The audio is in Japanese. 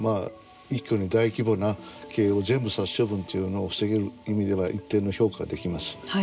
一挙に大規模な鶏を全部殺処分というのを防げる意味では一定の評価ができます。